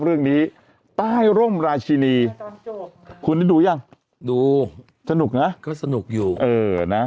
เรื่องนี้ป้ายร่มราชินีคุณนี่ดูยังดูสนุกนะก็สนุกอยู่เออนะ